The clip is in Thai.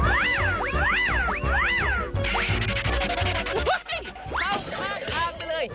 เข้าข้างทางไปเลย